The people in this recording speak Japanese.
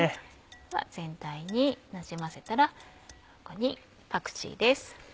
では全体になじませたらここにパクチーです。